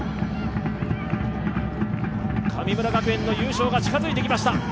神村学園の優勝が近づいてきました。